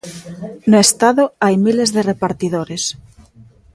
No Estado hai miles de repartidores.